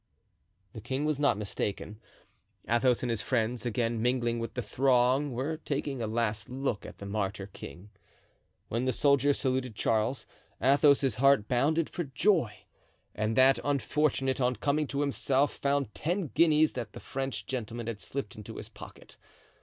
The king was not mistaken. Athos and his friends, again mingling with the throng, were taking a last look at the martyr king. When the soldier saluted Charles, Athos's heart bounded for joy; and that unfortunate, on coming to himself, found ten guineas that the French gentleman had slipped into his pocket.